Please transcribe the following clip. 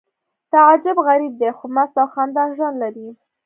تعجب غریب دی خو مست او خندان ژوند لري